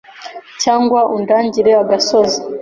Cyangwa undangire agasozi